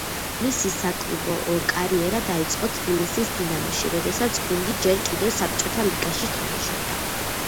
მისი საკლუბო კარიერა დაიწყო თბილისის „დინამოში“, როდესაც გუნდი ჯერ კიდევ საბჭოთა ლიგაში თამაშობდა.